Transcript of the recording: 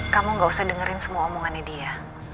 kamu gak usah dengerin semua omongannya dia